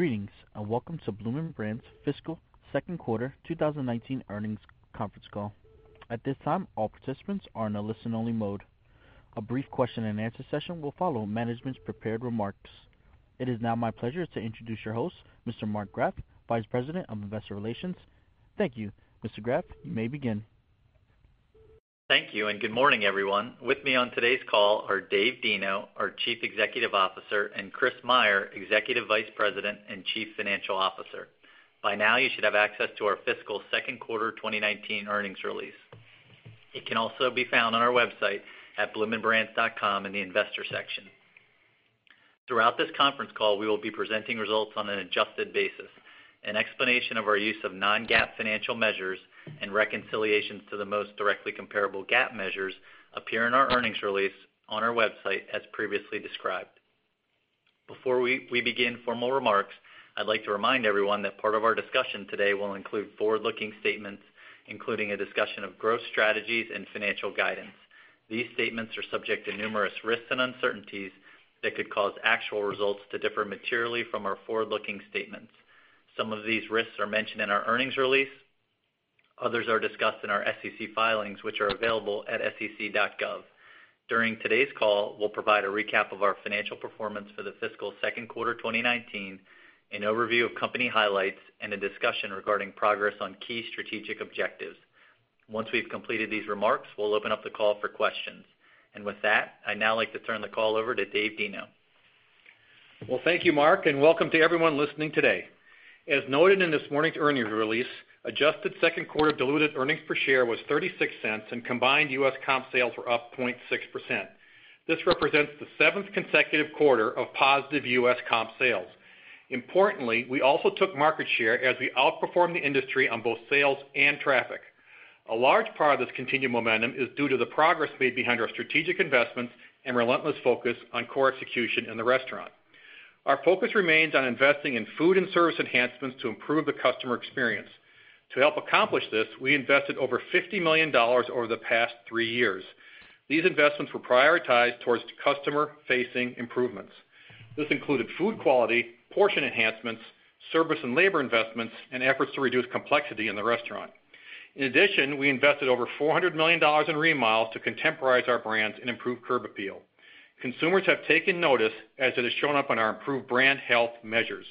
Greetings, welcome to Bloomin' Brands' fiscal second quarter 2019 earnings conference call. At this time, all participants are in a listen-only mode. A brief question and answer session will follow management's prepared remarks. It is now my pleasure to introduce your host, Mr. Mark Graff, Vice President of Investor Relations. Thank you. Mr. Graff, you may begin. Thank you. Good morning, everyone. With me on today's call are Dave Deno, our Chief Executive Officer, and Chris Meyer, Executive Vice President and Chief Financial Officer. By now, you should have access to our fiscal second quarter 2019 earnings release. It can also be found on our website at bloominbrands.com in the investor section. Throughout this conference call, we will be presenting results on an adjusted basis. An explanation of our use of non-GAAP financial measures, and reconciliations to the most directly comparable GAAP measures appear in our earnings release on our website as previously described. Before we begin formal remarks, I'd like to remind everyone that part of our discussion today will include forward-looking statements, including a discussion of growth strategies and financial guidance. These statements are subject to numerous risks and uncertainties that could cause actual results to differ materially from our forward-looking statements. Some of these risks are mentioned in our earnings release. Others are discussed in our SEC filings, which are available at sec.gov. During today's call, we'll provide a recap of our financial performance for the fiscal second quarter 2019, an overview of company highlights, and a discussion regarding progress on key strategic objectives. Once we've completed these remarks, we'll open up the call for questions. With that, I'd now like to turn the call over to Dave Deno. Well, thank you, Mark, and welcome to everyone listening today. As noted in this morning's earnings release, adjusted second quarter diluted earnings per share was $0.36 and combined U.S. comp sales were up 0.6%. This represents the seventh consecutive quarter of positive U.S. comp sales. Importantly, we also took market share as we outperformed the industry on both sales and traffic. A large part of this continued momentum is due to the progress made behind our strategic investments and relentless focus on core execution in the restaurant. Our focus remains on investing in food and service enhancements to improve the customer experience. To help accomplish this, we invested over $50 million over the past three years. These investments were prioritized towards customer-facing improvements. This included food quality, portion enhancements, service and labor investments, and efforts to reduce complexity in the restaurant. In addition, we invested over $400 million in remodels to contemporize our brands and improve curb appeal. Consumers have taken notice, as it has shown up on our improved brand health measures.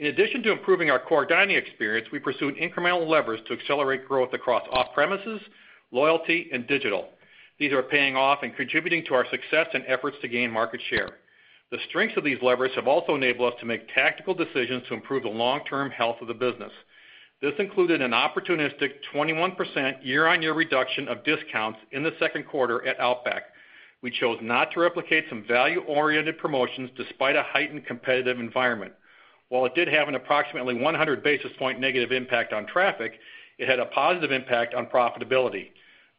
In addition to improving our core dining experience, we pursued incremental levers to accelerate growth across off-premises, loyalty, and digital. These are paying off and contributing to our success and efforts to gain market share. The strengths of these levers have also enabled us to make tactical decisions to improve the long-term health of the business. This included an opportunistic 21% year-on-year reduction of discounts in the second quarter at Outback. We chose not to replicate some value-oriented promotions despite a heightened competitive environment. While it did have an approximately 100 basis point negative impact on traffic, it had a positive impact on profitability.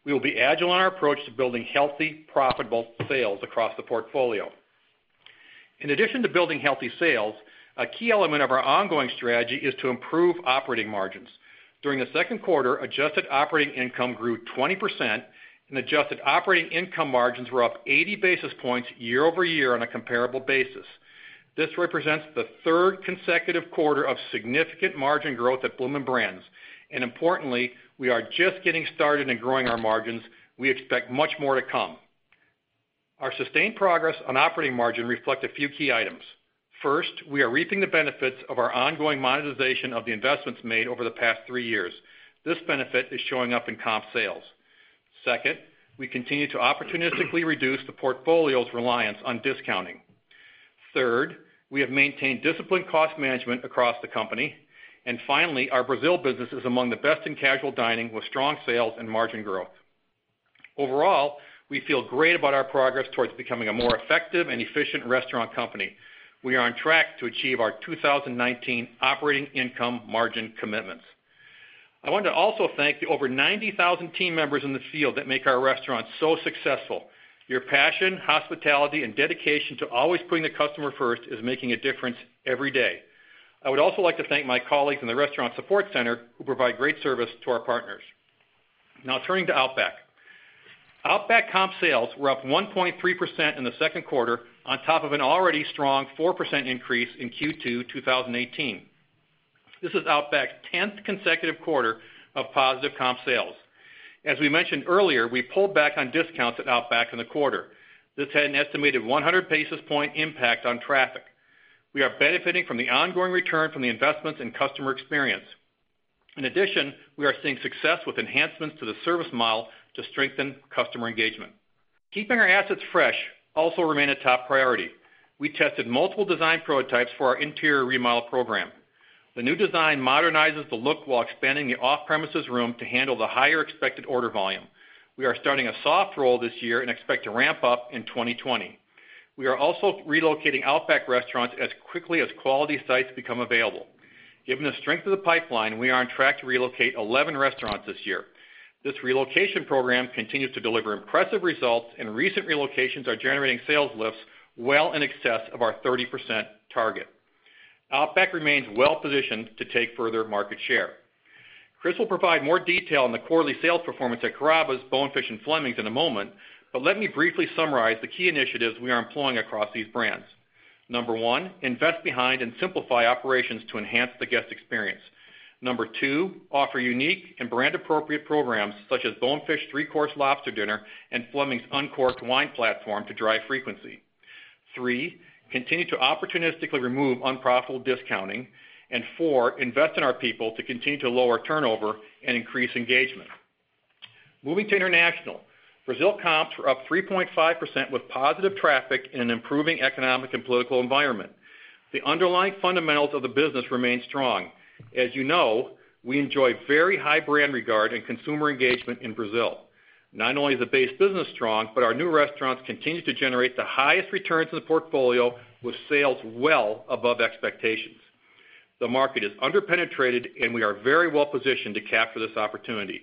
We will be agile in our approach to building healthy, profitable sales across the portfolio. In addition to building healthy sales, a key element of our ongoing strategy is to improve operating margins. During the second quarter, adjusted operating income grew 20%, and adjusted operating income margins were up 80 basis points year-over-year on a comparable basis. This represents the third consecutive quarter of significant margin growth at Bloomin' Brands, and importantly, we are just getting started in growing our margins. We expect much more to come. Our sustained progress on operating margin reflect a few key items. First, we are reaping the benefits of our ongoing monetization of the investments made over the past three years. This benefit is showing up in comp sales. Second, we continue to opportunistically reduce the portfolio's reliance on discounting. Third, we have maintained disciplined cost management across the company. Finally, our Brazil business is among the best in casual dining, with strong sales and margin growth. Overall, we feel great about our progress towards becoming a more effective and efficient restaurant company. We are on track to achieve our 2019 operating income margin commitments. I want to also thank the over 90,000 team members in the field that make our restaurants so successful. Your passion, hospitality, and dedication to always putting the customer first is making a difference every day. I would also like to thank my colleagues in the restaurant support center who provide great service to our partners. Now turning to Outback. Outback comp sales were up 1.3% in the second quarter on top of an already strong 4% increase in Q2 2018. This is Outback's 10th consecutive quarter of positive comp sales. As we mentioned earlier, we pulled back on discounts at Outback in the quarter. This had an estimated 100 basis point impact on traffic. We are benefiting from the ongoing return from the investments in customer experience. In addition, we are seeing success with enhancements to the service model to strengthen customer engagement. Keeping our assets fresh also remain a top priority. We tested multiple design prototypes for our interior remodel program. The new design modernizes the look while expanding the off-premises room to handle the higher expected order volume. We are starting a soft roll this year and expect to ramp up in 2020. We are also relocating Outback restaurants as quickly as quality sites become available. Given the strength of the pipeline, we are on track to relocate 11 restaurants this year. This relocation program continues to deliver impressive results, and recent relocations are generating sales lifts well in excess of our 30% target. Outback remains well-positioned to take further market share. Chris will provide more detail on the quarterly sales performance at Carrabba's, Bonefish and Fleming's in a moment, but let me briefly summarize the key initiatives we are employing across these brands. Number one, invest behind and simplify operations to enhance the guest experience. Number two, offer unique and brand-appropriate programs such as Bonefish three-course lobster dinner and Fleming's Uncorked wine platform to drive frequency. Three, continue to opportunistically remove unprofitable discounting, and four, invest in our people to continue to lower turnover and increase engagement. Moving to international. Brazil comps were up 3.5% with positive traffic in an improving economic and political environment. The underlying fundamentals of the business remain strong. As you know, we enjoy very high brand regard and consumer engagement in Brazil. Not only is the base business strong, our new restaurants continue to generate the highest returns in the portfolio, with sales well above expectations. The market is under-penetrated, we are very well-positioned to capture this opportunity.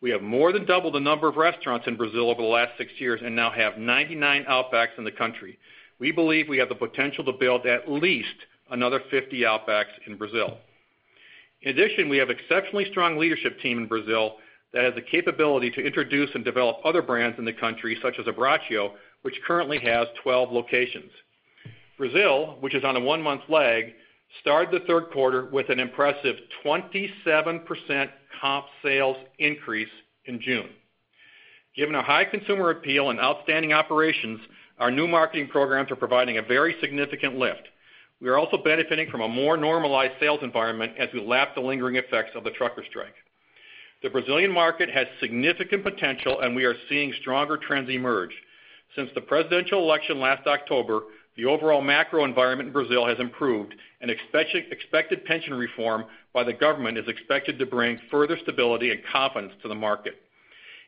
We have more than doubled the number of restaurants in Brazil over the last six years and now have 99 Outbacks in the country. We believe we have the potential to build at least another 50 Outbacks in Brazil. In addition, we have exceptionally strong leadership team in Brazil that has the capability to introduce and develop other brands in the country such as Abbraccio, which currently has 12 locations. Brazil, which is on a one-month lag, started the third quarter with an impressive 27% comp sales increase in June. Given our high consumer appeal and outstanding operations, our new marketing programs are providing a very significant lift. We are also benefiting from a more normalized sales environment as we lap the lingering effects of the trucker strike. The Brazilian market has significant potential, and we are seeing stronger trends emerge. Since the presidential election last October, the overall macro environment in Brazil has improved, and expected pension reform by the government is expected to bring further stability and confidence to the market.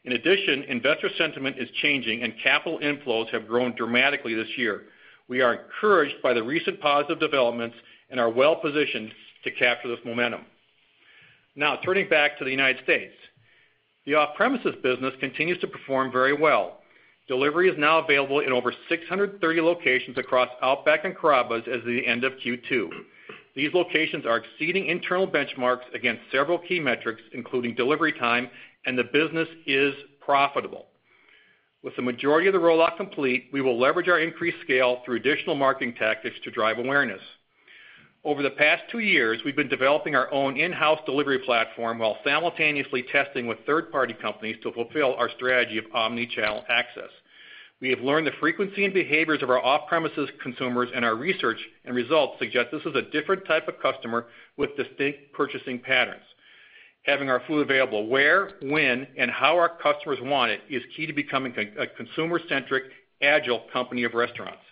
In addition, investor sentiment is changing, and capital inflows have grown dramatically this year. We are encouraged by the recent positive developments and are well-positioned to capture this momentum. Now, turning back to the United States. The off-premises business continues to perform very well. Delivery is now available in over 630 locations across Outback and Carrabba's as of the end of Q2. These locations are exceeding internal benchmarks against several key metrics, including delivery time, and the business is profitable. With the majority of the rollout complete, we will leverage our increased scale through additional marketing tactics to drive awareness. Over the past two years, we've been developing our own in-house delivery platform while simultaneously testing with third-party companies to fulfill our strategy of omni-channel access. We have learned the frequency and behaviors of our off-premises consumers, and our research and results suggest this is a different type of customer with distinct purchasing patterns. Having our food available where, when, and how our customers want it is key to becoming a consumer-centric, agile company of restaurants.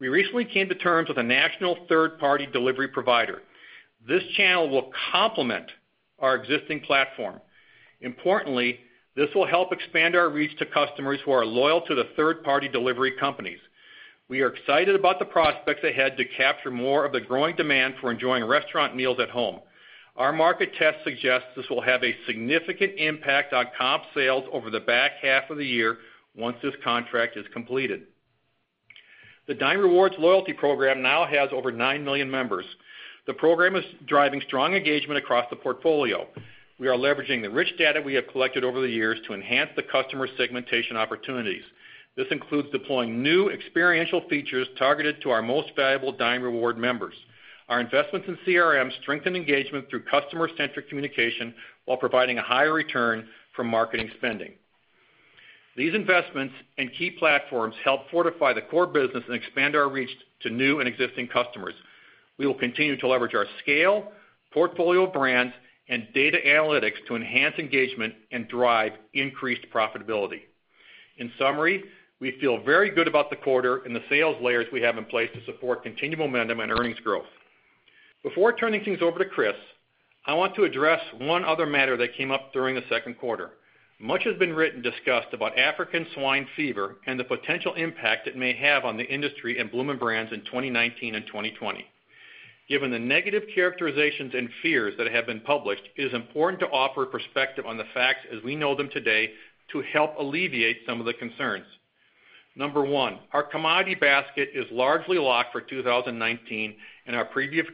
We recently came to terms with a national third-party delivery provider. This channel will complement our existing platform. Importantly, this will help expand our reach to customers who are loyal to the third-party delivery companies. We are excited about the prospects ahead to capture more of the growing demand for enjoying restaurant meals at home. Our market test suggests this will have a significant impact on comp sales over the back half of the year once this contract is completed. The Dine Rewards loyalty program now has over nine million members. The program is driving strong engagement across the portfolio. We are leveraging the rich data we have collected over the years to enhance the customer segmentation opportunities. This includes deploying new experiential features targeted to our most valuable Dine Rewards members. Our investments in CRMs strengthen engagement through customer-centric communication while providing a higher return from marketing spending. These investments and key platforms help fortify the core business and expand our reach to new and existing customers. We will continue to leverage our scale, portfolio of brands, and data analytics to enhance engagement and drive increased profitability. In summary, we feel very good about the quarter and the sales layers we have in place to support continued momentum and earnings growth. Before turning things over to Chris, I want to address one other matter that came up during the second quarter. Much has been written and discussed about African swine fever and the potential impact it may have on the industry and Bloomin' Brands in 2019 and 2020. Given the negative characterizations and fears that have been published, it is important to offer perspective on the facts as we know them today to help alleviate some of the concerns. Number one, our commodity basket is largely locked for 2019, and our previous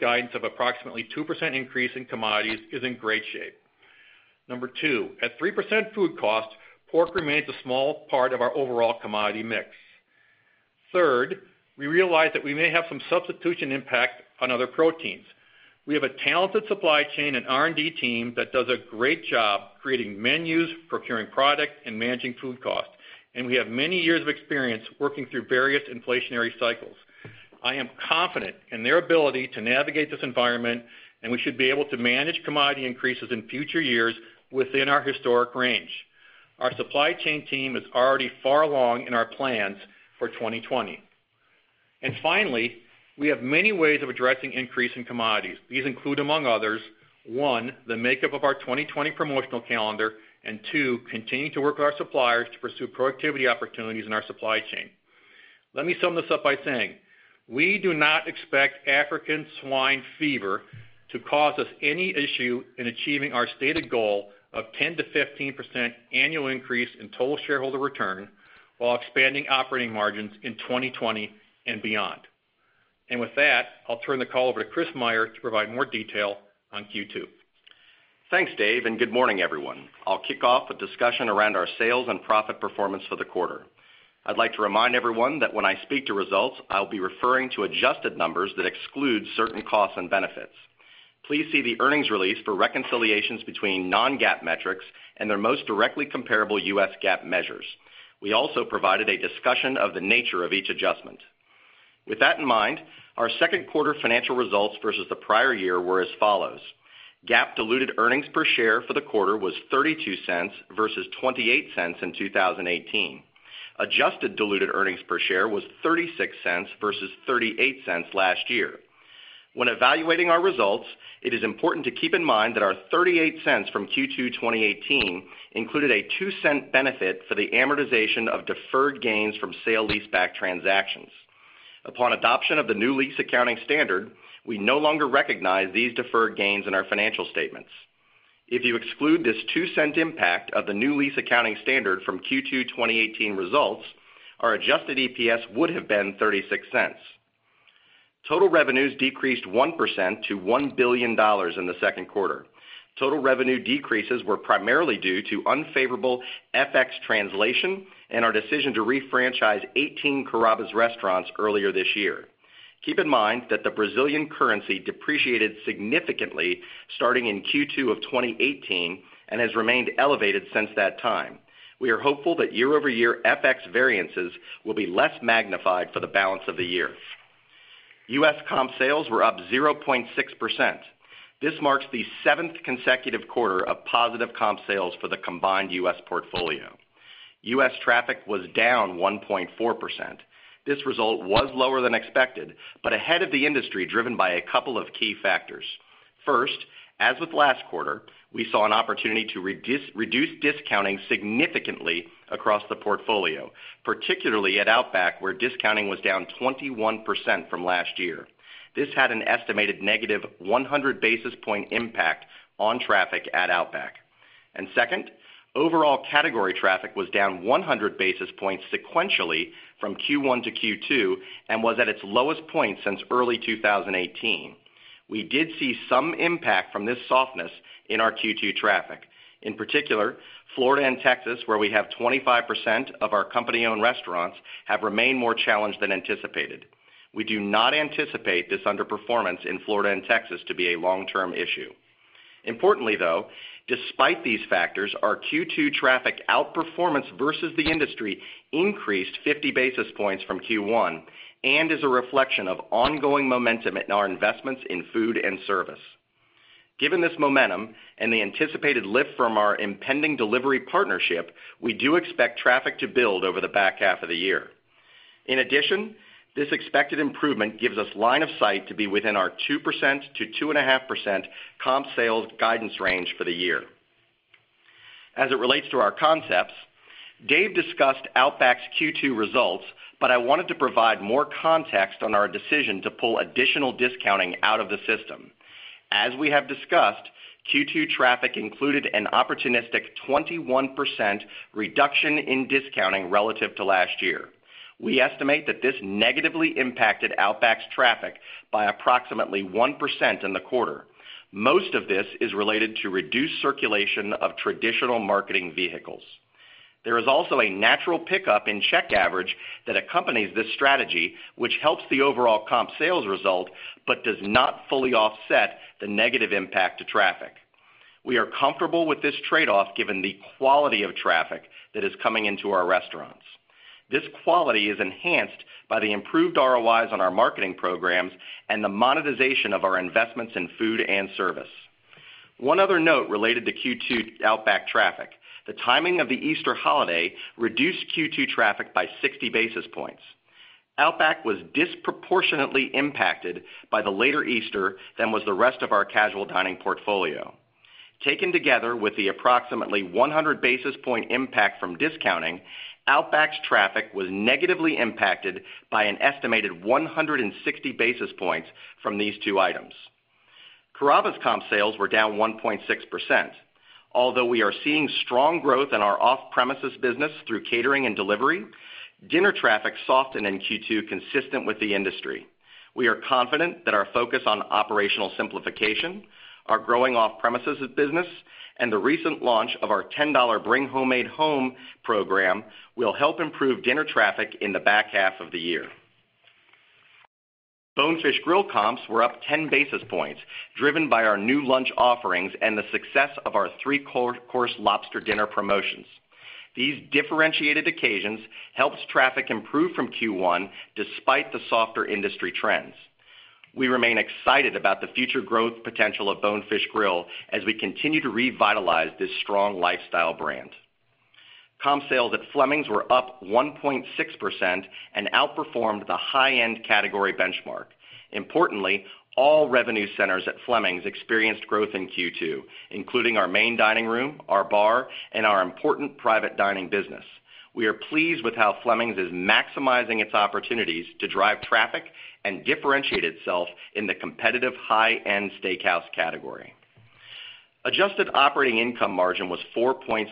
guidance of approximately 2% increase in commodities is in great shape. Number two, at 3% food cost, pork remains a small part of our overall commodity mix. Third, we realize that we may have some substitution impact on other proteins. We have a talented supply chain and R&D team that does a great job creating menus, procuring product, and managing food costs, and we have many years of experience working through various inflationary cycles. I am confident in their ability to navigate this environment, and we should be able to manage commodity increases in future years within our historic range. Our supply chain team is already far along in our plans for 2020. Finally, we have many ways of addressing increase in commodities. These include, among others, one, the makeup of our 2020 promotional calendar, and two, continuing to work with our suppliers to pursue productivity opportunities in our supply chain. Let me sum this up by saying we do not expect African swine fever to cause us any issue in achieving our stated goal of 10%-15% annual increase in total shareholder return while expanding operating margins in 2020 and beyond. With that, I'll turn the call over to Chris Meyer to provide more detail on Q2. Thanks, Dave. Good morning, everyone. I'll kick off a discussion around our sales and profit performance for the quarter. I'd like to remind everyone that when I speak to results, I'll be referring to adjusted numbers that exclude certain costs and benefits. Please see the earnings release for reconciliations between non-GAAP metrics and their most directly comparable U.S. GAAP measures. We also provided a discussion of the nature of each adjustment. With that in mind, our second quarter financial results versus the prior year were as follows: GAAP diluted earnings per share for the quarter was $0.32 versus $0.28 in 2018. Adjusted diluted earnings per share was $0.36 versus $0.38 last year. When evaluating our results, it is important to keep in mind that our $0.38 from Q2 2018 included a $0.02 benefit for the amortization of deferred gains from sale-leaseback transactions. Upon adoption of the new lease accounting standard, we no longer recognize these deferred gains in our financial statements. If you exclude this $0.02 impact of the new lease accounting standard from Q2 2018 results, our adjusted EPS would have been $0.36. Total revenues decreased 1% to $1 billion in the second quarter. Total revenue decreases were primarily due to unfavorable FX translation and our decision to refranchise 18 Carrabba's restaurants earlier this year. Keep in mind that the Brazilian currency depreciated significantly starting in Q2 of 2018 and has remained elevated since that time. We are hopeful that year-over-year FX variances will be less magnified for the balance of the year. U.S. comp sales were up 0.6%. This marks the seventh consecutive quarter of positive comp sales for the combined U.S. portfolio. U.S. traffic was down 1.4%. This result was lower than expected, but ahead of the industry, driven by a couple of key factors. First, as with last quarter, we saw an opportunity to reduce discounting significantly across the portfolio, particularly at Outback, where discounting was down 21% from last year. This had an estimated negative 100 basis point impact on traffic at Outback. Second, overall category traffic was down 100 basis points sequentially from Q1 to Q2 and was at its lowest point since early 2018. We did see some impact from this softness in our Q2 traffic. In particular, Florida and Texas, where we have 25% of our company-owned restaurants, have remained more challenged than anticipated. We do not anticipate this underperformance in Florida and Texas to be a long-term issue. Importantly, though, despite these factors, our Q2 traffic outperformance versus the industry increased 50 basis points from Q1 and is a reflection of ongoing momentum in our investments in food and service. Given this momentum and the anticipated lift from our impending delivery partnership, we do expect traffic to build over the back half of the year. In addition, this expected improvement gives us line of sight to be within our 2%-2.5% comp sales guidance range for the year. As it relates to our concepts, Dave discussed Outback's Q2 results, I wanted to provide more context on our decision to pull additional discounting out of the system. As we have discussed, Q2 traffic included an opportunistic 21% reduction in discounting relative to last year. We estimate that this negatively impacted Outback's traffic by approximately 1% in the quarter. Most of this is related to reduced circulation of traditional marketing vehicles. There is also a natural pickup in check average that accompanies this strategy, which helps the overall comp sales result but does not fully offset the negative impact to traffic. We are comfortable with this trade-off given the quality of traffic that is coming into our restaurants. This quality is enhanced by the improved ROIs on our marketing programs and the monetization of our investments in food and service. One other note related to Q2 Outback traffic: the timing of the Easter holiday reduced Q2 traffic by 60 basis points. Outback was disproportionately impacted by the later Easter than was the rest of our casual dining portfolio. Taken together with the approximately 100 basis point impact from discounting, Outback's traffic was negatively impacted by an estimated 160 basis points from these two items. Carrabba's comp sales were down 1.6%. Although we are seeing strong growth in our off-premises business through catering and delivery, dinner traffic softened in Q2, consistent with the industry. We are confident that our focus on operational simplification, our growing off-premises business, and the recent launch of our $10 Bring Homemade Home program will help improve dinner traffic in the back half of the year. Bonefish Grill comps were up 10 basis points, driven by our new lunch offerings and the success of our three-course lobster dinner promotions. These differentiated occasions helped traffic improve from Q1 despite the softer industry trends. We remain excited about the future growth potential of Bonefish Grill as we continue to revitalize this strong lifestyle brand. Comp sales at Flemings were up 1.6% and outperformed the high-end category benchmark. Importantly, all revenue centers at Fleming's experienced growth in Q2, including our main dining room, our bar, and our important private dining business. We are pleased with how Fleming's is maximizing its opportunities to drive traffic and differentiate itself in the competitive high-end steakhouse category. Adjusted operating income margin was 4.6%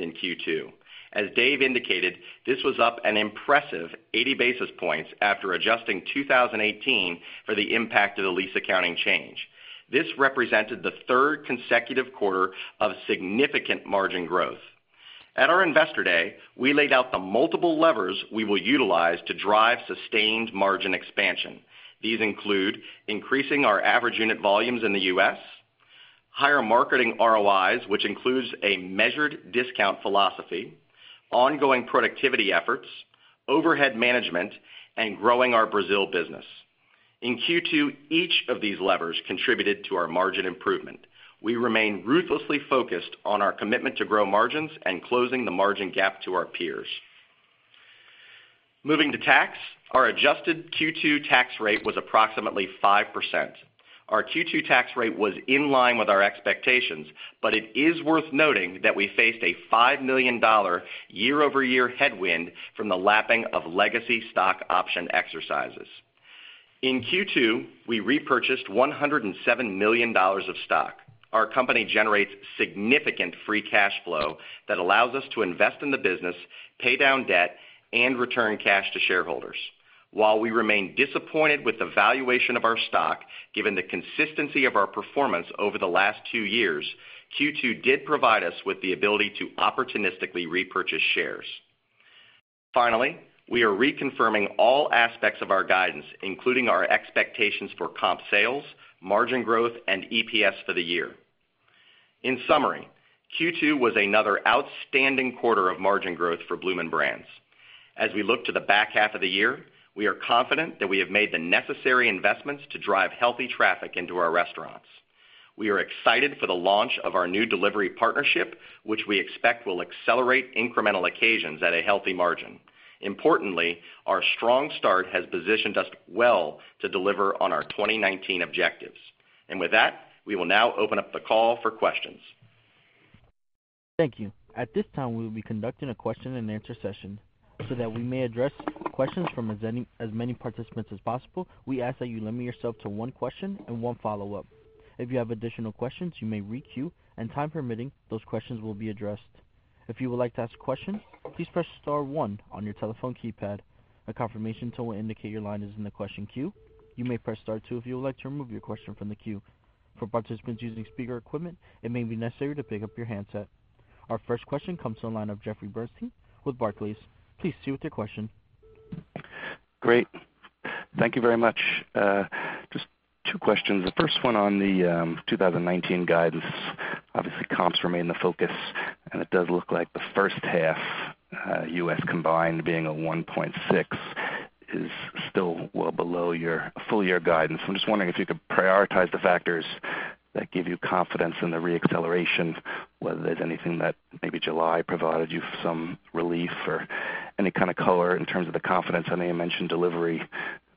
in Q2. As Dave indicated, this was up an impressive 80 basis points after adjusting 2018 for the impact of the lease accounting change. This represented the third consecutive quarter of significant margin growth. At our Investor Day, we laid out the multiple levers we will utilize to drive sustained margin expansion. These include increasing our average unit volumes in the U.S., higher marketing ROIs, which includes a measured discount philosophy, ongoing productivity efforts, overhead management, and growing our Brazil business. In Q2, each of these levers contributed to our margin improvement. We remain ruthlessly focused on our commitment to grow margins and closing the margin gap to our peers. Moving to tax, our adjusted Q2 tax rate was approximately 5%. Our Q2 tax rate was in line with our expectations, but it is worth noting that we faced a $5 million year-over-year headwind from the lapping of legacy stock option exercises. In Q2, we repurchased $107 million of stock. Our company generates significant free cash flow that allows us to invest in the business, pay down debt, and return cash to shareholders. While we remain disappointed with the valuation of our stock, given the consistency of our performance over the last two years, Q2 did provide us with the ability to opportunistically repurchase shares. Finally, we are reconfirming all aspects of our guidance, including our expectations for comp sales, margin growth, and EPS for the year. In summary, Q2 was another outstanding quarter of margin growth for Bloomin' Brands. As we look to the back half of the year, we are confident that we have made the necessary investments to drive healthy traffic into our restaurants. We are excited for the launch of our new delivery partnership, which we expect will accelerate incremental occasions at a healthy margin. Importantly, our strong start has positioned us well to deliver on our 2019 objectives. With that, we will now open up the call for questions. Thank you. At this time, we will be conducting a question and answer session. That we may address questions from as many participants as possible, we ask that you limit yourself to one question and one follow-up. If you have additional questions, you may re-queue, and time permitting, those questions will be addressed. If you would like to ask questions, please press star one on your telephone keypad. A confirmation tone will indicate your line is in the question queue. You may press star two if you would like to remove your question from the queue. For participants using speaker equipment, it may be necessary to pick up your handset. Our first question comes from the line of Jeffrey Bernstein with Barclays. Please proceed with your question. Great. Thank you very much. Just two questions. The first one on the 2019 guidance. Obviously, comps remain the focus, and it does look like the first half U.S. combined being a 1.6 is still well below your full year guidance. I'm just wondering if you could prioritize the factors that give you confidence in the re-acceleration, whether there's anything that maybe July provided you some relief or any kind of color in terms of the confidence. I know you mentioned delivery.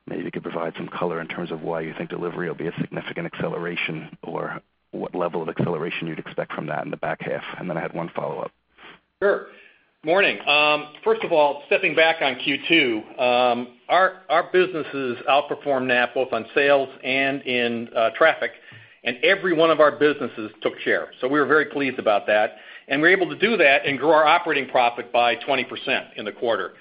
Maybe you could provide some color in terms of why you think delivery will be a significant acceleration or what level of acceleration you'd expect from that in the back half. I had one follow-up. Sure. Morning. First of all, stepping back on Q2, our businesses outperformed Knapp-Track, both on sales and in traffic, every one of our businesses took share. We were very pleased about that, we were able to do that and grow our operating profit by 20% in the quarter.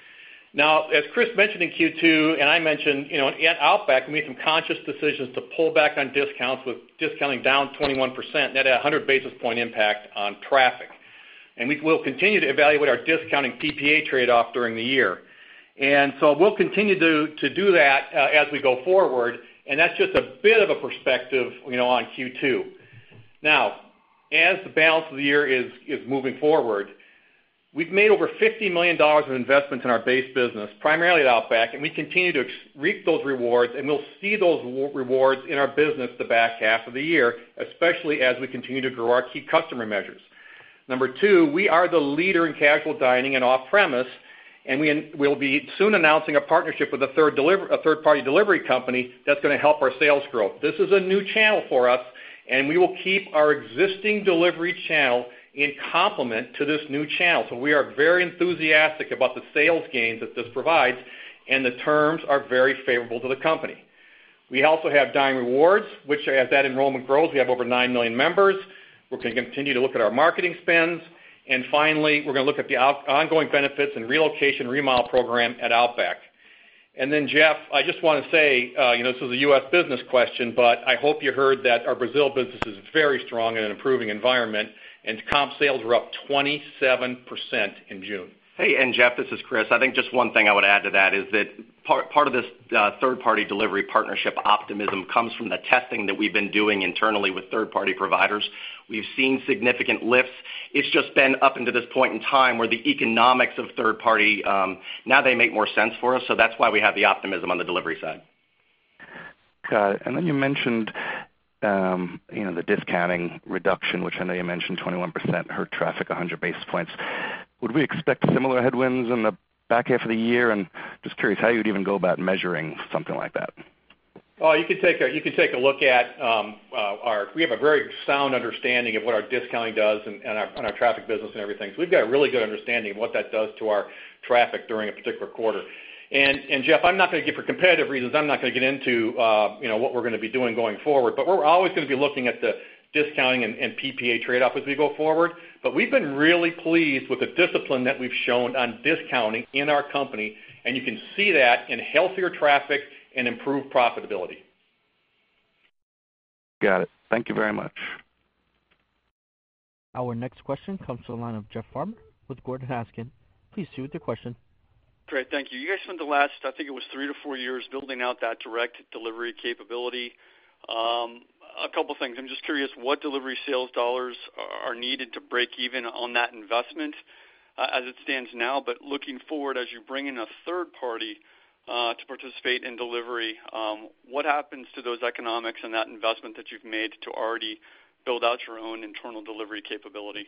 Now, as Chris mentioned in Q2, and I mentioned, at Outback, we made some conscious decisions to pull back on discounts, with discounting down 21%, net of 100 basis point impact on traffic. We will continue to evaluate our discounting PPA trade-off during the year. We'll continue to do that as we go forward, that's just a bit of a perspective on Q2. As the balance of the year is moving forward, we've made over $50 million of investments in our base business, primarily at Outback, and we continue to reap those rewards, and we'll see those rewards in our business the back half of the year, especially as we continue to grow our key customer measures. Number two, we are the leader in casual dining and off-premise, we'll be soon announcing a partnership with a third-party delivery company that's going to help our sales growth. This is a new channel for us, we will keep our existing delivery channel in complement to this new channel. We are very enthusiastic about the sales gains that this provides, the terms are very favorable to the company. We also have Dine Rewards, which as that enrollment grows, we have over nine million members. We're going to continue to look at our marketing spends. Finally, we're going to look at the ongoing benefits and relocation remodel program at Outback. Jeff, I just want to say, this was a U.S. business question, but I hope you heard that our Brazil business is very strong in an improving environment, and comp sales were up 27% in June. Hey, Jeff, this is Chris. I think just one thing I would add to that is that part of this third-party delivery partnership optimism comes from the testing that we've been doing internally with third-party providers. We've seen significant lifts. It's just been up until this point in time where the economics of third party, now they make more sense for us, so that's why we have the optimism on the delivery side. Got it. You mentioned the discounting reduction, which I know you mentioned 21% hurt traffic 100 basis points. Would we expect similar headwinds in the back half of the year? Just curious how you would even go about measuring something like that. You can take a look at, we have a very sound understanding of what our discounting does on our traffic business and everything. We've got a really good understanding of what that does to our traffic during a particular quarter. Jeff, for competitive reasons, I'm not going to get into what we're going to be doing going forward, but we're always going to be looking at the discounting and PPA trade-off as we go forward. We've been really pleased with the discipline that we've shown on discounting in our company, and you can see that in healthier traffic and improved profitability. Got it. Thank you very much. Our next question comes to the line of Jeff Farmer with Gordon Haskett. Please proceed with your question. Great. Thank you. You guys spent the last, I think it was three to four years, building out that direct delivery capability. A couple things. I'm just curious what delivery sales dollars are needed to break even on that investment as it stands now. Looking forward, as you bring in a third party to participate in delivery, what happens to those economics and that investment that you've made to already build out your own internal delivery capability?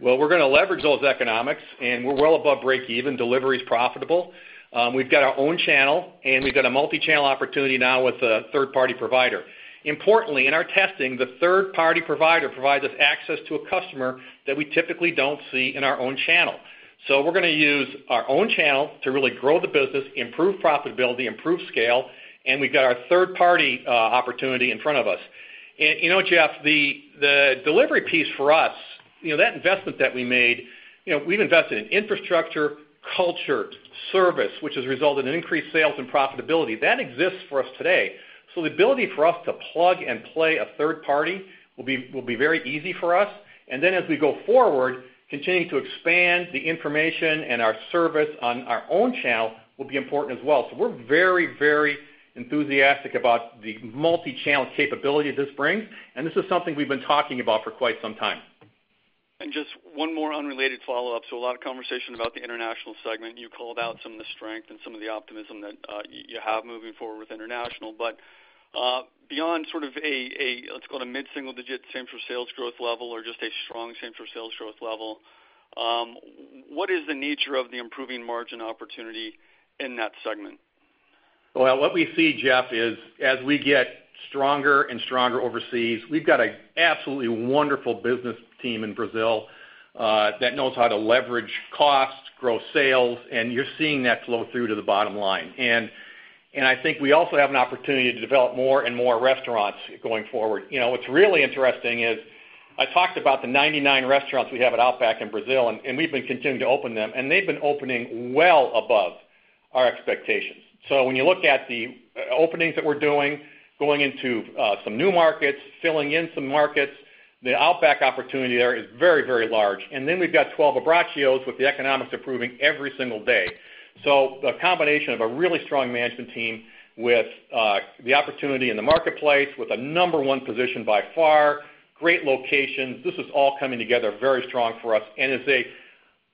Well, we're going to leverage those economics, we're well above break even. Delivery is profitable. We've got our own channel, we've got a multi-channel opportunity now with a third party provider. Importantly, in our testing, the third party provider provides us access to a customer that we typically don't see in our own channel. We're going to use our own channel to really grow the business, improve profitability, improve scale, and we've got our third party opportunity in front of us. Jeff, the delivery piece for us, that investment that we made, we've invested in infrastructure, culture, service, which has resulted in increased sales and profitability. That exists for us today. The ability for us to plug and play a third party will be very easy for us. As we go forward, continuing to expand the information and our service on our own channel will be important as well. We're very enthusiastic about the multi-channel capability this brings, and this is something we've been talking about for quite some time. Just one more unrelated follow-up. A lot of conversation about the international segment. You called out some of the strength and some of the optimism that you have moving forward with international, but beyond sort of a, let's call it a mid single-digit same-store-sales growth level or just a strong same-store-sales growth level, what is the nature of the improving margin opportunity in that segment? Well, what we see, Jeff, is as we get stronger and stronger overseas, we've got an absolutely wonderful business team in Brazil that knows how to leverage costs, grow sales, and you're seeing that flow through to the bottom line. I think we also have an opportunity to develop more and more restaurants going forward. What's really interesting is I talked about the 99 restaurants we have at Outback in Brazil, and we've been continuing to open them, and they've been opening well above our expectations. When you look at the openings that we're doing, going into some new markets, filling in some markets, the Outback opportunity there is very large. We've got 12 Abbraccios with the economics improving every single day. The combination of a really strong management team with the opportunity in the marketplace with a number 1 position by far, great locations, this is all coming together very strong for us, and it's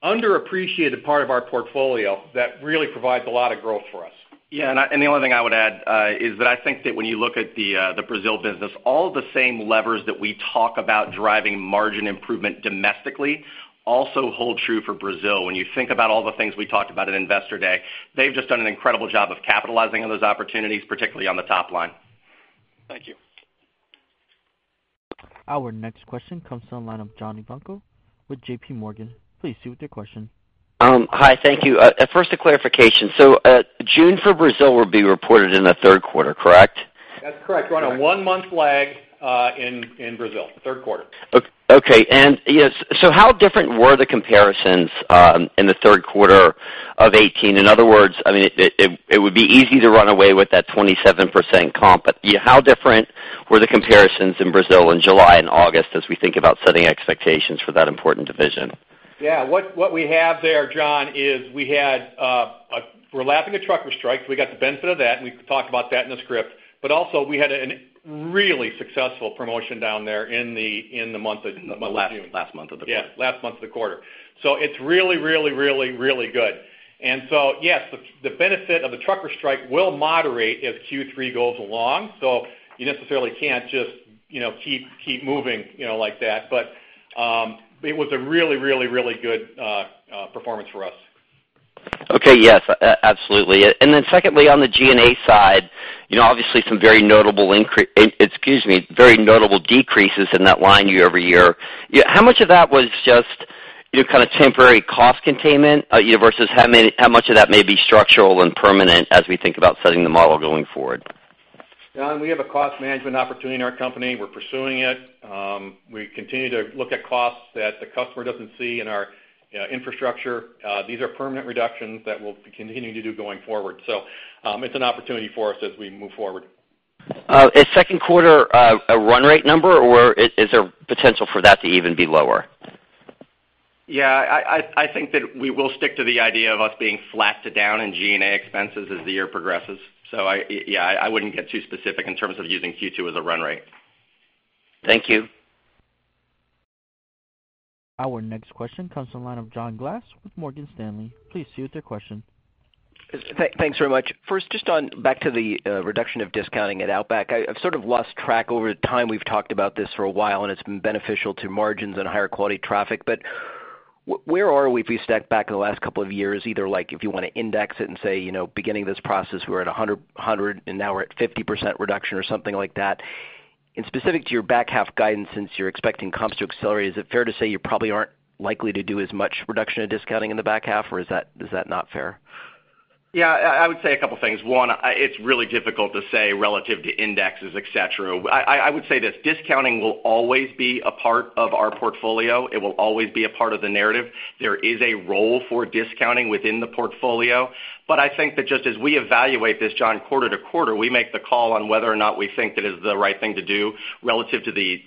an underappreciated part of our portfolio that really provides a lot of growth for us. The only thing I would add is that I think that when you look at the Brazil business, all the same levers that we talk about driving margin improvement domestically also hold true for Brazil. When you think about all the things we talked about at Investor Day, they've just done an incredible job of capitalizing on those opportunities, particularly on the top line. Thank you. Our next question comes to the line of John Ivankoe with JPMorgan. Please proceed with your question. Hi. Thank you. First, a clarification. June for Brazil will be reported in the third quarter, correct? That's correct. We're on a one-month lag in Brazil, third quarter. Okay. Yes. How different were the comparisons in the third quarter of 2018? In other words, it would be easy to run away with that 27% comp, but how different were the comparisons in Brazil in July and August as we think about setting expectations for that important division? Yeah. What we have there, John, is we're lapping a trucker strike, so we got the benefit of that, and we can talk about that in the script. Also, we had a really successful promotion down there in the month of June. The last month of the quarter. Yeah, last month of the quarter. It's really good. Yes, the benefit of the trucker strike will moderate as Q3 goes along. You necessarily can't just keep moving like that. It was a really good performance for us. Okay. Yes, absolutely. Secondly, on the G&A side, obviously some very notable decreases in that line year-over-year. How much of that was just kind of temporary cost containment versus how much of that may be structural and permanent as we think about setting the model going forward? John, we have a cost management opportunity in our company. We're pursuing it. We continue to look at costs that the customer doesn't see in our infrastructure. These are permanent reductions that we'll be continuing to do going forward. It's an opportunity for us as we move forward. Is second quarter a run rate number, or is there potential for that to even be lower? Yeah, I think that we will stick to the idea of us being flat to down in G&A expenses as the year progresses. Yeah, I wouldn't get too specific in terms of using Q2 as a run rate. Thank you. Our next question comes to the line of John Glass with Morgan Stanley. Please proceed with your question. Thanks very much. First, just on back to the reduction of discounting at Outback. I've sort of lost track over time. We've talked about this for a while, and it's been beneficial to margins and higher quality traffic, but where are we if we step back in the last couple of years, either if you want to index it and say, beginning of this process, we're at 100, and now we're at 50% reduction or something like that? Specific to your back half guidance, since you're expecting comps to accelerate, is it fair to say you probably aren't likely to do as much reduction in discounting in the back half, or is that not fair? I would say a couple things. One, it's really difficult to say relative to indexes, et cetera. I would say this, discounting will always be a part of our portfolio. It will always be a part of the narrative. There is a role for discounting within the portfolio. I think that just as we evaluate this, John, quarter to quarter, we make the call on whether or not we think that is the right thing to do relative to the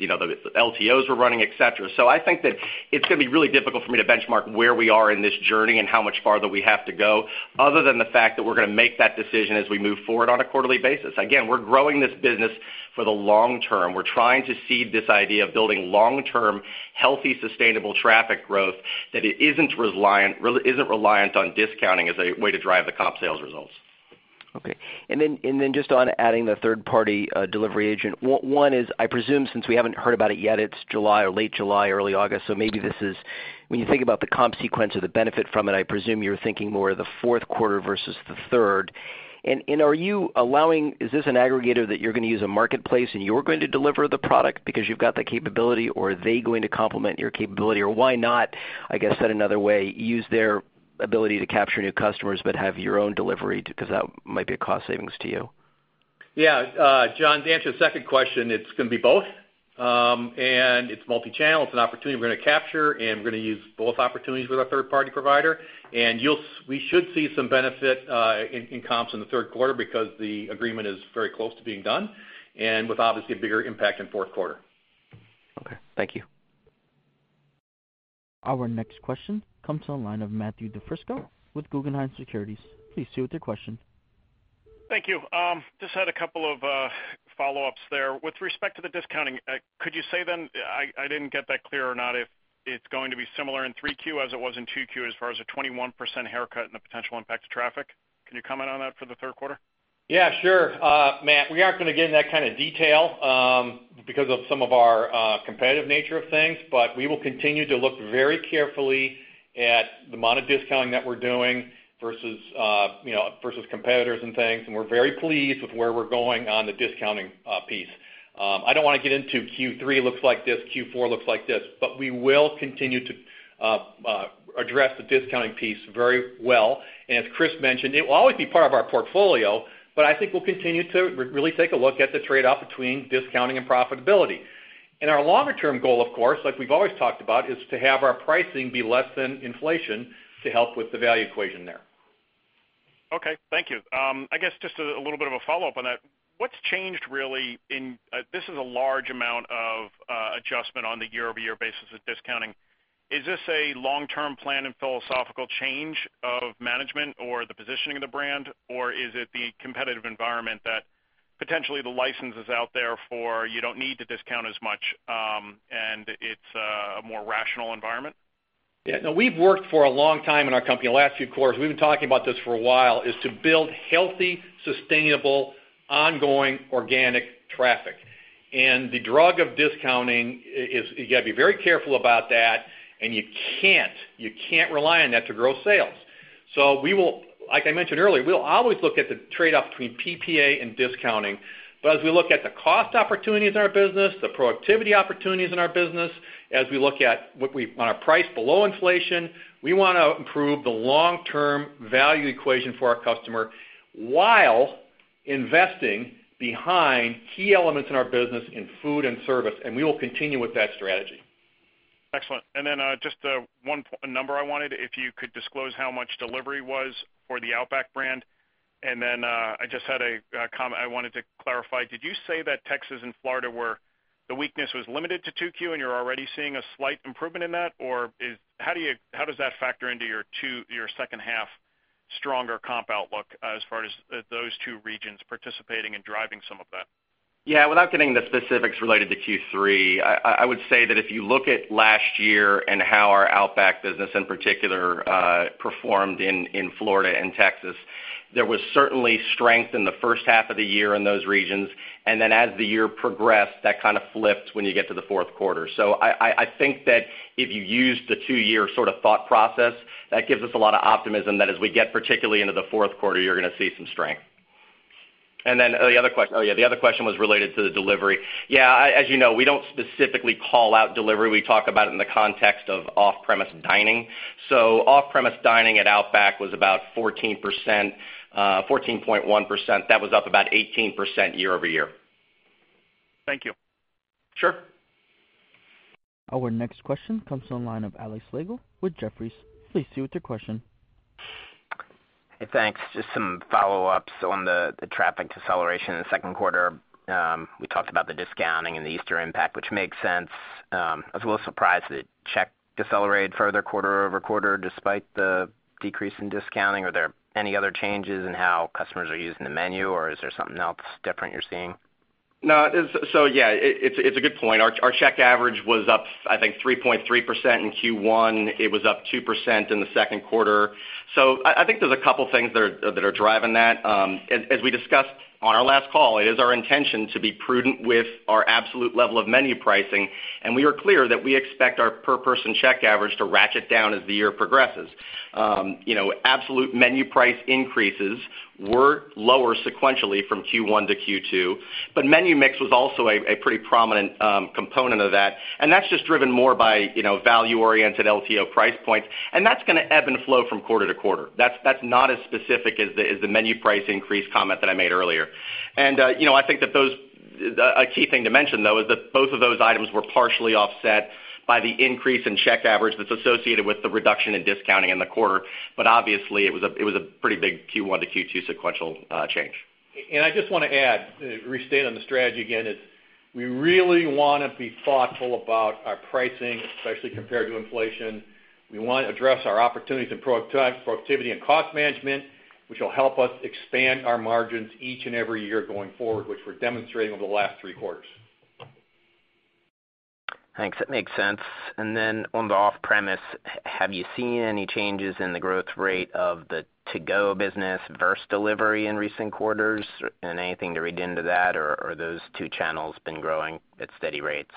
LTOs we're running, et cetera. I think that it's going to be really difficult for me to benchmark where we are in this journey and how much farther we have to go, other than the fact that we're going to make that decision as we move forward on a quarterly basis. Again, we're growing this business for the long term. We're trying to seed this idea of building long-term, healthy, sustainable traffic growth, that it isn't reliant on discounting as a way to drive the comp sales results. Okay. Just on adding the third-party delivery agent. One is, I presume, since we haven't heard about it yet, it's July or late July, early August, so maybe this is, when you think about the comp sequence or the benefit from it, I presume you're thinking more the fourth quarter versus the third. Are you allowing, is this an aggregator that you're going to use a marketplace and you're going to deliver the product because you've got the capability, or are they going to complement your capability? Why not, I guess said another way, use their ability to capture new customers but have your own delivery too, because that might be a cost savings to you? Yeah. John, to answer the second question, it's going to be both. It's multi-channel. It's an opportunity we're going to capture, and we're going to use both opportunities with our third-party provider. We should see some benefit in comps in the third quarter because the agreement is very close to being done, and with obviously a bigger impact in fourth quarter. Okay. Thank you. Our next question comes on the line of Matthew DiFrisco with Guggenheim Securities. Please proceed with your question. Thank you. Just had a couple of follow-ups there. With respect to the discounting, could you say then, I didn't get that clear or not, if it's going to be similar in 3Q as it was in 2Q as far as a 21% haircut and the potential impact to traffic? Can you comment on that for the third quarter? Yeah, sure. Matt, we aren't going to get in that kind of detail because of some of our competitive nature of things, but we will continue to look very carefully at the amount of discounting that we're doing versus competitors and things. We're very pleased with where we're going on the discounting piece. I don't want to get into Q3 looks like this, Q4 looks like this, but we will continue to address the discounting piece very well. As Chris mentioned, it will always be part of our portfolio, but I think we'll continue to really take a look at the trade-off between discounting and profitability. Our longer term goal, of course, like we've always talked about, is to have our pricing be less than inflation to help with the value equation there. Okay. Thank you. I guess just a little bit of a follow-up on that. What's changed really, this is a large amount of adjustment on the year-over-year basis of discounting. Is this a long-term plan and philosophical change of management or the positioning of the brand, or is it the competitive environment that potentially the leverage is out there for you don't need to discount as much, and it's a more rational environment? Yeah. No, we've worked for a long time in our company, the last few quarters, we've been talking about this for a while, is to build healthy, sustainable, ongoing organic traffic. The drug of discounting is, you got to be very careful about that, and you can't rely on that to grow sales. We will, like I mentioned earlier, we'll always look at the trade-off between PPA and discounting. As we look at the cost opportunities in our business, the productivity opportunities in our business, as we look at when we want to price below inflation, we want to improve the long-term value equation for our customer while investing behind key elements in our business in food and service, we will continue with that strategy. Excellent. Just one number I wanted, if you could disclose how much delivery was for the Outback. I just had a comment I wanted to clarify. Did you say that Texas and Florida were, the weakness was limited to 2Q and you're already seeing a slight improvement in that? How does that factor into your second half stronger comp outlook as far as those two regions participating and driving some of that? Yeah. Without getting into specifics related to Q3, I would say that if you look at last year and how our Outback business in particular performed in Florida and Texas, there was certainly strength in the first half of the year in those regions, and then as the year progressed, that kind of flipped when you get to the fourth quarter. I think that if you use the two-year sort of thought process, that gives us a lot of optimism that as we get particularly into the fourth quarter, you're going to see some strength. The other question was related to the delivery. Yeah, as you know, we don't specifically call out delivery. We talk about it in the context of off-premise dining. Off-premise dining at Outback was about 14.1%. That was up about 18% year-over-year. Thank you. Sure. Our next question comes on the line of Alex Slagle with Jefferies. Please proceed with your question. Hey, thanks. Just some follow-ups on the traffic deceleration in the second quarter. We talked about the discounting and the Easter impact, which makes sense. I was a little surprised that check decelerated further quarter-over-quarter despite the decrease in discounting. Are there any other changes in how customers are using the menu, or is there something else different you're seeing? No. Yeah, it's a good point. Our check average was up, I think, 3.3% in Q1. It was up 2% in the second quarter. I think there's a couple things that are driving that. As we discussed on our last call, it is our intention to be prudent with our absolute level of menu pricing, and we are clear that we expect our per person check average to ratchet down as the year progresses. Absolute menu price increases were lower sequentially from Q1 to Q2, but menu mix was also a pretty prominent component of that, and that's just driven more by value-oriented LTO price points, and that's going to ebb and flow from quarter to quarter. That's not as specific as the menu price increase comment that I made earlier. I think that a key thing to mention, though, is that both of those items were partially offset by the increase in check average that's associated with the reduction in discounting in the quarter. Obviously, it was a pretty big Q1 to Q2 sequential change. I just want to add, restate on the strategy again, is we really want to be thoughtful about our pricing, especially compared to inflation. We want to address our opportunities in productivity and cost management, which will help us expand our margins each and every year going forward, which we're demonstrating over the last three quarters. Thanks. That makes sense. On the off-premise, have you seen any changes in the growth rate of the to-go business versus delivery in recent quarters? Anything to read into that, or are those two channels been growing at steady rates?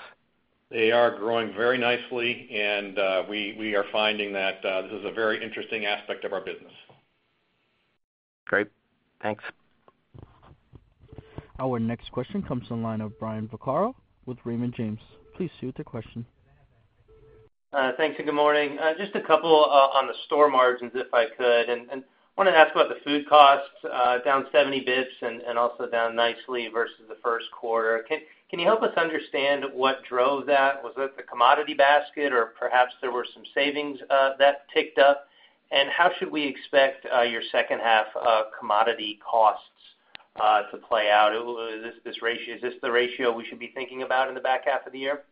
They are growing very nicely, and we are finding that this is a very interesting aspect of our business. Great. Thanks. Our next question comes to the line of Brian Vaccaro with Raymond James. Please proceed with the question. Thanks. Good morning. Just a couple on the store margins, if I could. Want to ask about the food costs down 70 basis points and also down nicely versus the first quarter. Can you help us understand what drove that? Was it the commodity basket or perhaps there were some savings that ticked up? How should we expect your second half commodity costs to play out? Is this the ratio we should be thinking about in the back half of the year?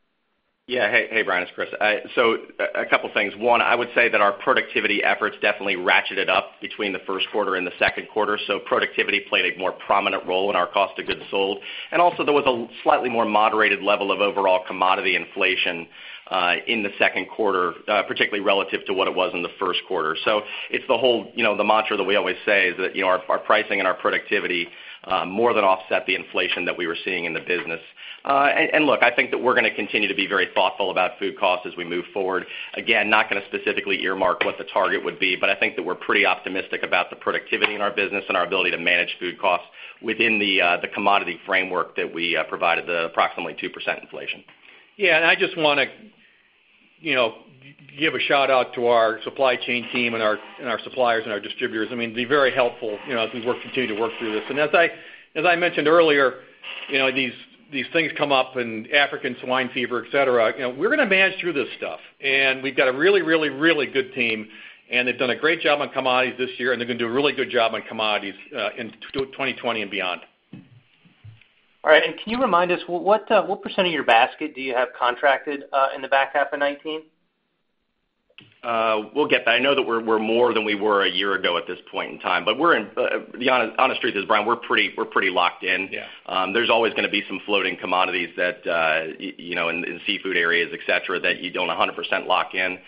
Yeah. Hey, Brian, it's Chris. A couple of things. One, I would say that our productivity efforts definitely ratcheted up between the first quarter and the second quarter, so productivity played a more prominent role in our cost of goods sold. Also there was a slightly more moderated level of overall commodity inflation in the second quarter, particularly relative to what it was in the first quarter. It's the whole mantra that we always say is that our pricing and our productivity more than offset the inflation that we were seeing in the business. Look, I think that we're going to continue to be very thoughtful about food costs as we move forward. Not going to specifically earmark what the target would be, but I think that we're pretty optimistic about the productivity in our business and our ability to manage food costs within the commodity framework that we provided, the approximately 2% inflation. I just want to give a shout-out to our supply chain team and our suppliers and our distributors. They're very helpful as we continue to work through this. As I mentioned earlier, these things come up in African swine fever, et cetera. We're going to manage through this stuff. We've got a really good team, and they've done a great job on commodities this year, and they're going to do a really good job on commodities in 2020 and beyond. All right. Can you remind us, what % of your basket do you have contracted in the back half of 2019? We'll get that. I know that we're more than we were a year ago at this point in time. The honest truth is, Brian, we're pretty locked in. Yeah. There's always going to be some floating commodities that, in seafood areas, et cetera, that you don't 100% lock in.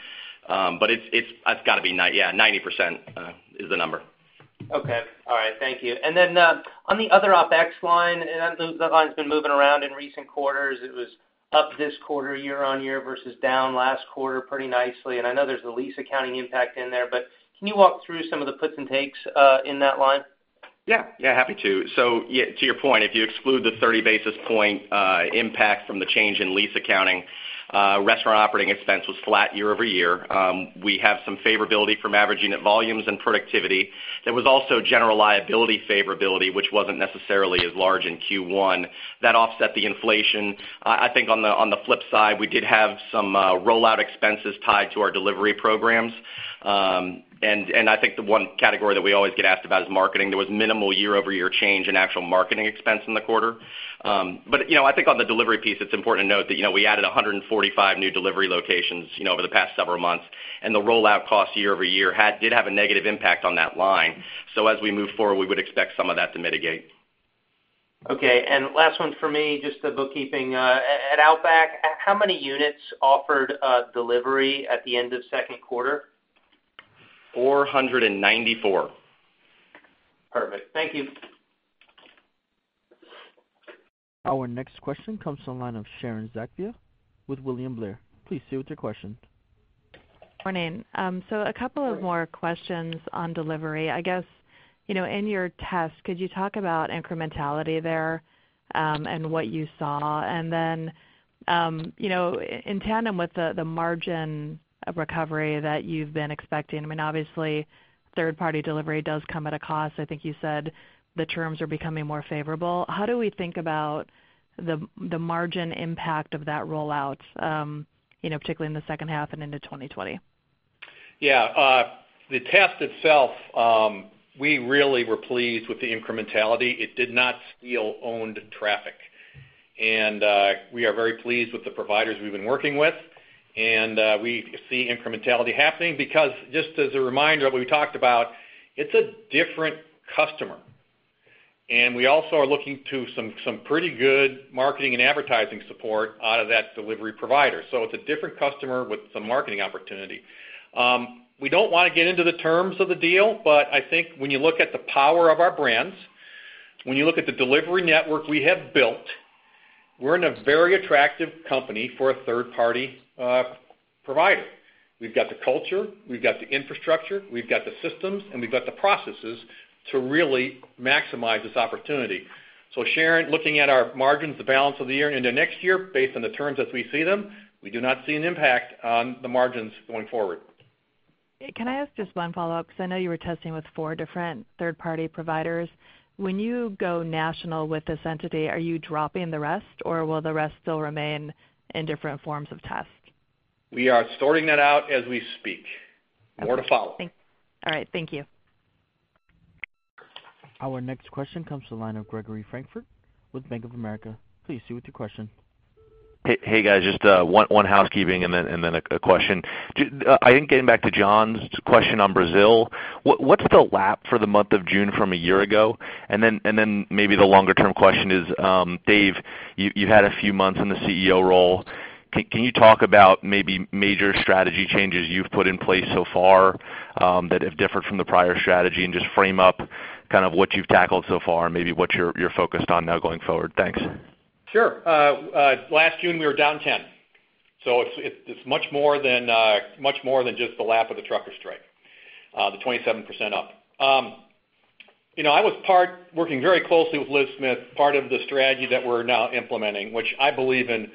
It's got to be 90% is the number. Okay. All right. Thank you. On the other OpEx line, that line's been moving around in recent quarters. It was up this quarter, year-on-year, versus down last quarter pretty nicely. I know there's a lease accounting impact in there, can you walk through some of the puts and takes in that line? Yeah. Happy to. To your point, if you exclude the 30 basis point impact from the change in lease accounting, restaurant operating expense was flat year-over-year. We have some favorability from averaging at volumes and productivity. There was also general liability favorability, which wasn't necessarily as large in Q1. That offset the inflation. I think on the flip side, we did have some rollout expenses tied to our delivery programs. I think the one category that we always get asked about is marketing. There was minimal year-over-year change in actual marketing expense in the quarter. I think on the delivery piece, it's important to note that we added 145 new delivery locations over the past several months, and the rollout cost year-over-year did have a negative impact on that line. As we move forward, we would expect some of that to mitigate. Okay. Last one from me, just the bookkeeping. At Outback, how many units offered delivery at the end of second quarter? 494. Perfect. Thank you. Our next question comes to the line of Sharon Zackfia with William Blair. Please proceed with your question. Morning. A couple of more questions on delivery. I guess, in your test, could you talk about incrementality there and what you saw? In tandem with the margin of recovery that you've been expecting, obviously third-party delivery does come at a cost. I think you said the terms are becoming more favorable. How do we think about the margin impact of that rollout, particularly in the second half and into 2020? Yeah. The test itself, we really were pleased with the incrementality. It did not steal owned traffic. We are very pleased with the providers we've been working with. We see incrementality happening because just as a reminder, we talked about it's a different customer, and we also are looking to some pretty good marketing and advertising support out of that delivery provider. It's a different customer with some marketing opportunity. We don't want to get into the terms of the deal, but I think when you look at the power of our brands, when you look at the delivery network we have built, we're in a very attractive company for a third-party provider. We've got the culture, we've got the infrastructure, we've got the systems, and we've got the processes to really maximize this opportunity. Sharon, looking at our margins, the balance of the year into next year, based on the terms as we see them, we do not see an impact on the margins going forward. Can I ask just one follow-up? I know you were testing with four different third-party providers. When you go national with this entity, are you dropping the rest or will the rest still remain in different forms of tests? We are sorting that out as we speak. More to follow. Okay. All right. Thank you. Our next question comes to the line of Gregory Francfort with Bank of America. Please proceed with your question. Hey, guys, just one housekeeping and then a question. I think getting back to John's question on Brazil, what's the lap for the month of June from a year ago? Then maybe the longer-term question is, Dave, you've had a few months in the CEO role. Can you talk about maybe major strategy changes you've put in place so far that have differed from the prior strategy and just frame up kind of what you've tackled so far and maybe what you're focused on now going forward? Thanks. Sure. Last June, we were down 10. It's much more than just the lap of the trucker strike, the 27% up. I was working very closely with Liz Smith, part of the strategy that we're now implementing, which I believe in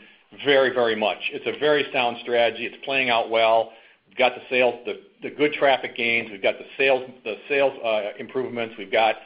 very much. It's a very sound strategy. It's playing out well. We've got the good traffic gains. We've got the sales improvements. We've got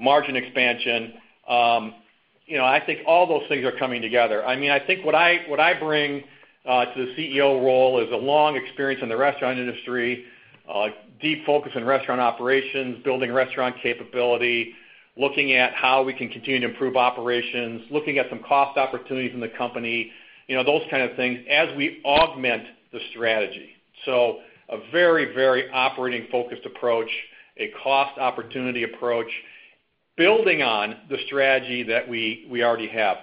margin expansion. I think all those things are coming together. I think what I bring to the CEO role is a long experience in the restaurant industry, a deep focus in restaurant operations, building restaurant capability, looking at how we can continue to improve operations, looking at some cost opportunities in the company, those kind of things as we augment the strategy. A very operating focused approach, a cost opportunity approach, building on the strategy that we already have.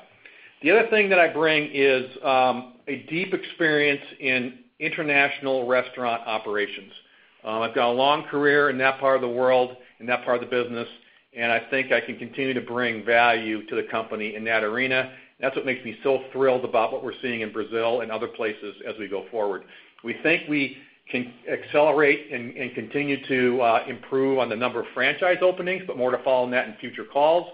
The other thing that I bring is a deep experience in international restaurant operations. I've got a long career in that part of the world, in that part of the business, and I think I can continue to bring value to the company in that arena. That's what makes me so thrilled about what we're seeing in Brazil and other places as we go forward. We think we can accelerate and continue to improve on the number of franchise openings, but more to follow on that in future calls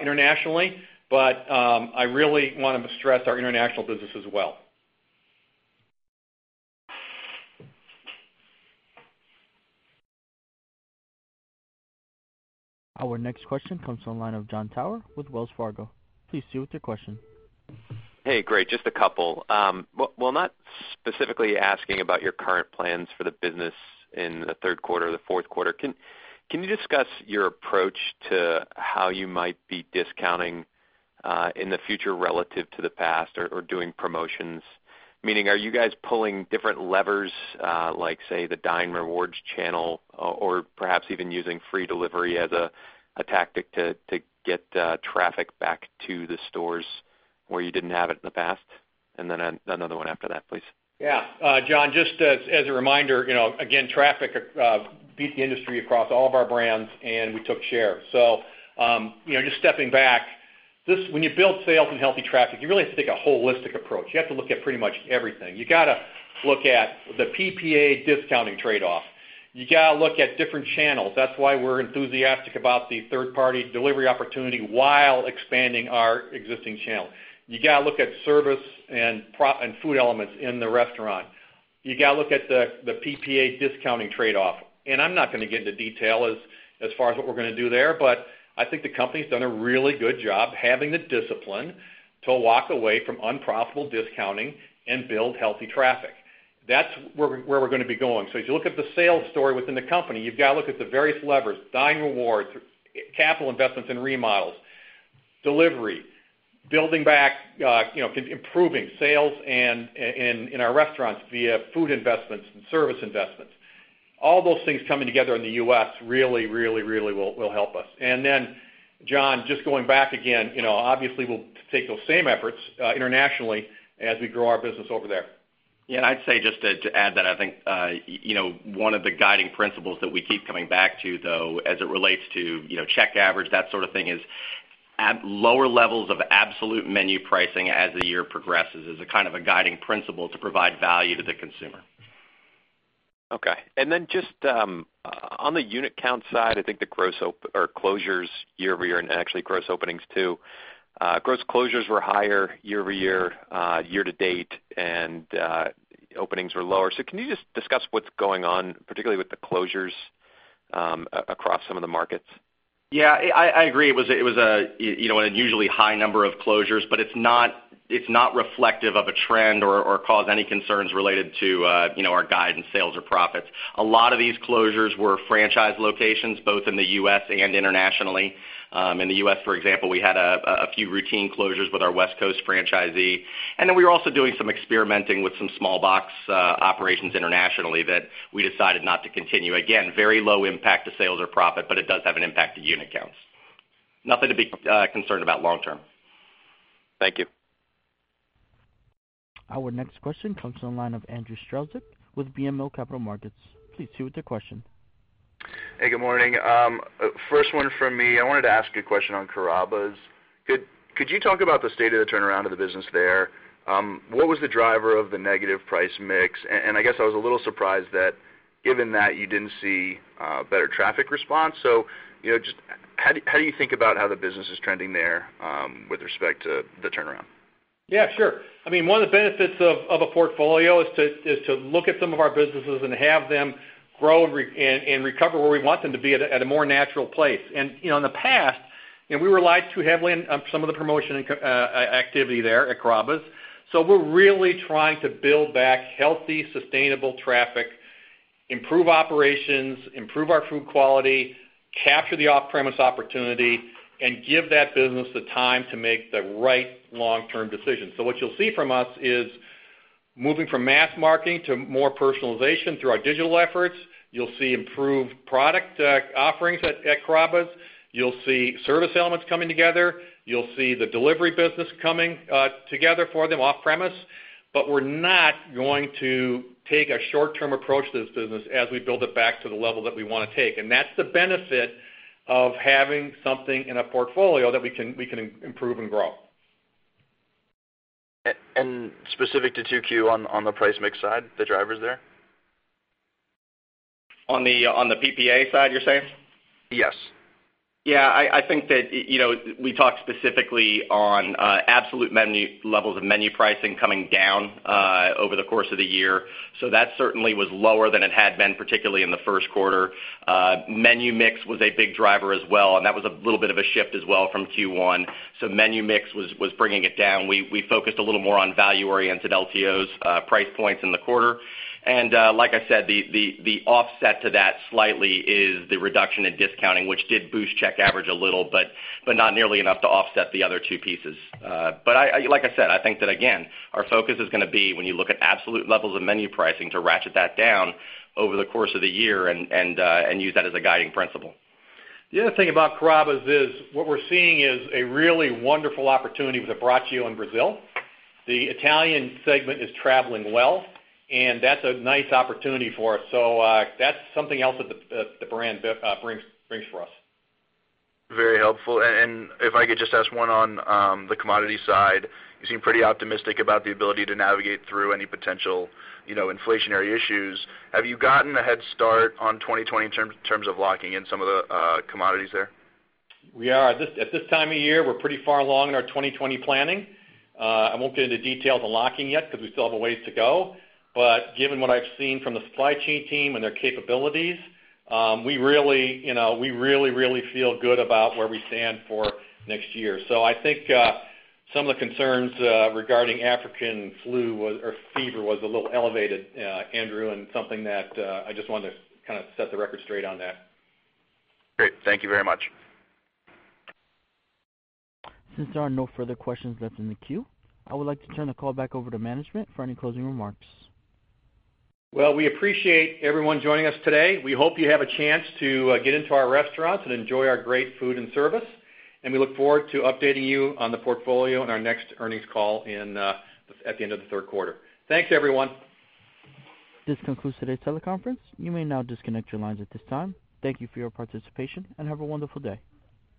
internationally. I really want to stress our international business as well. Our next question comes from the line of Jon Tower with Wells Fargo. Please proceed with your question. Hey, great. Just a couple. Well, not specifically asking about your current plans for the business in the third quarter or the fourth quarter, can you discuss your approach to how you might be discounting in the future relative to the past or doing promotions? Meaning, are you guys pulling different levers, like, say, the Dine Rewards channel or perhaps even using free delivery as a tactic to get traffic back to the stores where you didn't have it in the past? Another one after that, please. Yeah. John, just as a reminder, again, traffic beat the industry across all of our brands, and we took share. Just stepping back, when you build sales and healthy traffic, you really have to take a holistic approach. You have to look at pretty much everything. You got to look at the PPA discounting trade-off. You got to look at different channels. That's why we're enthusiastic about the third-party delivery opportunity while expanding our existing channel. You got to look at service and food elements in the restaurant. You got to look at the PPA discounting trade-off. I'm not going to get into detail as far as what we're going to do there, but I think the company's done a really good job having the discipline to walk away from unprofitable discounting and build healthy traffic. That's where we're going to be going. If you look at the sales story within the company, you've got to look at the various levers, Dine Rewards, capital investments and remodels, delivery, building back, improving sales in our restaurants via food investments and service investments. All those things coming together in the U.S. really will help us. John, just going back again, obviously, we'll take those same efforts internationally as we grow our business over there. Yeah, I'd say just to add that I think one of the guiding principles that we keep coming back to, though, as it relates to check average, that sort of thing, is at lower levels of absolute menu pricing as the year progresses is a kind of a guiding principle to provide value to the consumer. Just on the unit count side, I think the closures year-over-year, and actually gross openings too. Gross closures were higher year-over-year, year-to-date, and openings were lower. Can you just discuss what's going on, particularly with the closures across some of the markets? I agree. It was an unusually high number of closures, but it's not reflective of a trend or caused any concerns related to our guide in sales or profits. A lot of these closures were franchise locations, both in the U.S. and internationally. In the U.S., for example, we had a few routine closures with our West Coast franchisee. We were also doing some experimenting with some small box operations internationally that we decided not to continue. Again, very low impact to sales or profit, but it does have an impact to unit counts. Nothing to be concerned about long term. Thank you. Our next question comes to the line of Andrew Strelzik with BMO Capital Markets. Please proceed with your question. Hey, good morning. First one from me. I wanted to ask you a question on Carrabba's. Could you talk about the state of the turnaround of the business there? What was the driver of the negative price mix? I guess I was a little surprised that given that you didn't see better traffic response. Just how do you think about how the business is trending there with respect to the turnaround? Yeah, sure. One of the benefits of a portfolio is to look at some of our businesses and have them grow and recover where we want them to be at a more natural place. In the past, we relied too heavily on some of the promotion activity there at Carrabba's. We're really trying to build back healthy, sustainable traffic, improve operations, improve our food quality, capture the off-premise opportunity, and give that business the time to make the right long-term decisions. What you'll see from us is moving from mass marketing to more personalization through our digital efforts. You'll see improved product offerings at Carrabba's. You'll see service elements coming together. You'll see the delivery business coming together for them off premise, but we're not going to take a short-term approach to this business as we build it back to the level that we want to take. That's the benefit of having something in a portfolio that we can improve and grow. Specific to 2Q on the price mix side, the drivers there? On the PPA side, you're saying? Yes. Yeah, I think that we talked specifically on absolute levels of menu pricing coming down over the course of the year. That certainly was lower than it had been, particularly in the first quarter. Menu mix was a big driver as well, and that was a little bit of a shift as well from Q1. Menu mix was bringing it down. We focused a little more on value-oriented LTOs price points in the quarter. Like I said, the offset to that slightly is the reduction in discounting, which did boost check average a little, but not nearly enough to offset the other two pieces. Like I said, I think that again, our focus is going to be when you look at absolute levels of menu pricing to ratchet that down over the course of the year and use that as a guiding principle. The other thing about Carrabba's is what we're seeing is a really wonderful opportunity with Abbraccio in Brazil. The Italian segment is traveling well. That's a nice opportunity for us. That's something else that the brand brings for us. Very helpful. If I could just ask one on the commodity side, you seem pretty optimistic about the ability to navigate through any potential inflationary issues. Have you gotten a head start on 2020 in terms of locking in some of the commodities there? We are. At this time of year, we're pretty far along in our 2020 planning. I won't get into details on locking yet because we still have a ways to go, but given what I've seen from the supply chain team and their capabilities, we really, really feel good about where we stand for next year. I think some of the concerns regarding African swine fever was a little elevated, Andrew, and something that I just wanted to kind of set the record straight on that. Great. Thank you very much. Since there are no further questions left in the queue, I would like to turn the call back over to management for any closing remarks. Well, we appreciate everyone joining us today. We hope you have a chance to get into our restaurants and enjoy our great food and service, and we look forward to updating you on the portfolio on our next earnings call at the end of the third quarter. Thanks, everyone. This concludes today's teleconference. You may now disconnect your lines at this time. Thank you for your participation, and have a wonderful day.